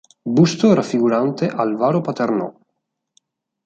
Busto raffigurante Alvaro Paternò.